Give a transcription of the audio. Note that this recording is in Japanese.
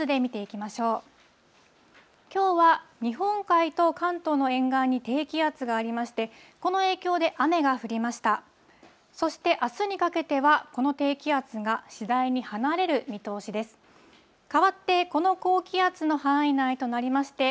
きょうは日本海と関東の沿岸に低気圧がありまして、この影響で雨が降りました。